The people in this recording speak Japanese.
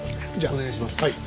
お願いします。